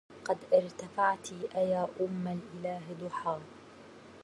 قد ارتفعتِ أيا أُم الإله ضحى